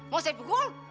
mau saya pukul